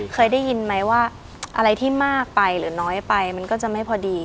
เคยได้ยินไหมว่าอะไรที่มากไปหรือน้อยไปมันก็จะไม่พอดี